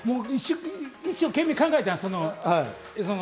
一生懸命、考えた。